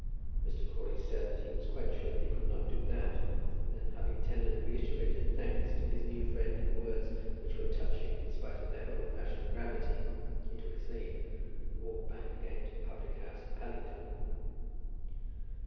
Mr. Crawley said that he was quite sure he could not do that, and then having tendered reiterated thanks to his new friend in words which were touching in spite of their old fashioned gravity, he took his leave, and walked back again to the public house at Paddington.